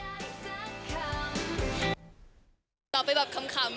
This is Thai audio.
เพราะว่าปกติหนูก็เป็นคนที่บอกว่า